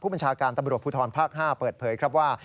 บัญชาการตำรวจภูทรภาค๕เปิดเผยครับว่า